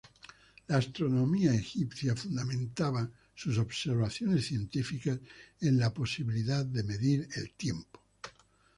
La astronomía egipcia fundamentaba sus observaciones científicas en la posibilidad de medir el tiempo.